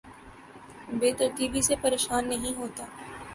بے ترتیبی سے پریشان نہیں ہوتا